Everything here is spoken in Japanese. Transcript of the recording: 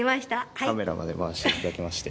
カメラまで回していただきまして。